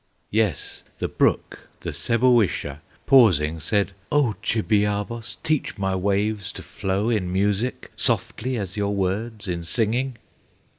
Yes, the brook, the Sebowisha, Pausing, said, "O Chibiabos, Teach my waves to flow in music, Softly as your words in singing!"